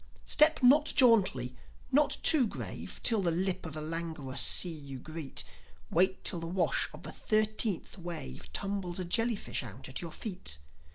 Step not jauntily, not too grave, Till the lip of the languorous sea you greet; Wait till the wash of the thirteenth wave Tumbles a jellyfish out at your feet.